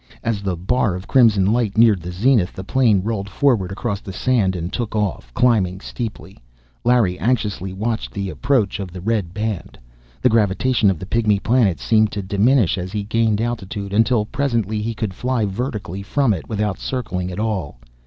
As the bar of crimson light neared the zenith, the plane rolled forward across the sand and took off. Climbing steeply, Larry anxiously watched the approach of the red band. The gravitation of the Pygmy Planet seemed to diminish as he gained altitude, until presently he could fly vertically from it, without circling at all.